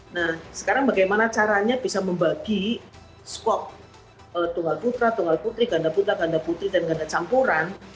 nah sekarang bagaimana caranya bisa membagi skop tunggal putra tunggal putri ganda putra ganda putri dan ganda campuran